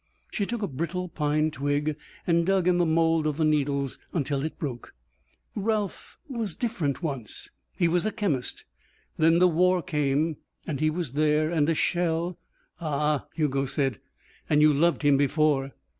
She took a brittle pine twig and dug in the mould of the needles until it broke. "Ralph was different once. He was a chemist. Then the war came. And he was there and a shell " "Ah," Hugo said. "And you loved him before?"